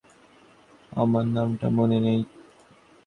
আমার নামটা মনে নেই।